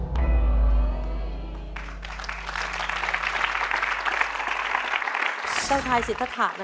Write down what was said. เจ้าชายศิษฐะทรงพนวทที่ริมฝั่งแม่น้ำใด